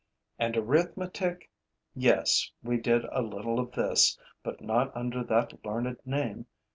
And arithmetic? Yes, we did a little of this but not under that learned name.